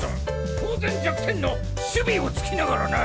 当然弱点の守備をつきながらな。